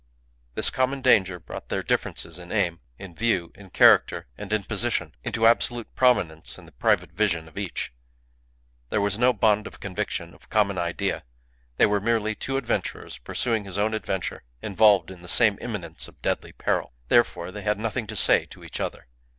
This common danger brought their differences in aim, in view, in character, and in position, into absolute prominence in the private vision of each. There was no bond of conviction, of common idea; they were merely two adventurers pursuing each his own adventure, involved in the same imminence of deadly peril. Therefore they had nothing to say to each other.